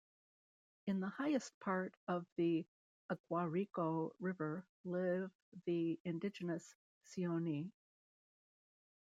In the highest part of the Aguarico River live the indigenous Sioni.